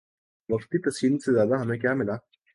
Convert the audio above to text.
وقتی تسکین سے زیادہ ہمیں کیا ملا؟